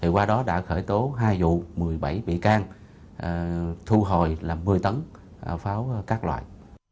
qua đó đã khởi tố hai vụ một mươi bảy bị can thu hồi là một mươi tấn pháo các loại